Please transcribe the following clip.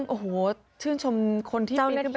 โอ้โหชื่นชมคนที่เป็นไปช่วยนะ